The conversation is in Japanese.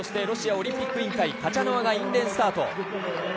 ロシアオリンピック委員会カチャノワがインレーンスタート。